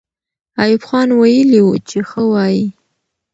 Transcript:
ایوب خان ویلي وو چې ښه وایي.